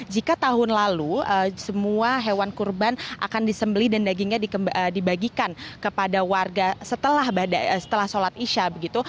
jika tahun lalu semua hewan kurban akan disembeli dan dagingnya dibagikan kepada warga setelah sholat isya begitu